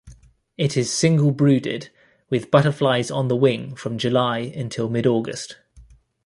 It is single brooded, with butterflies on the wing from July until mid-August.